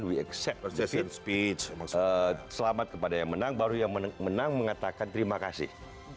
we accep speech selamat kepada yang menang baru yang menang mengatakan terima kasih